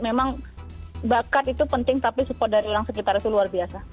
memang bakat itu penting tapi support dari orang sekitar itu luar biasa